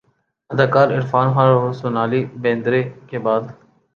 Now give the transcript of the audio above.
اداکار عرفان خان اورسونالی بیندرے کے بعد